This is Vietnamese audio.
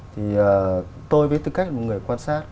thì tôi với tư cách là một người quan sát